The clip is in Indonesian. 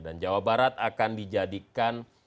dan jawa barat akan dijadikan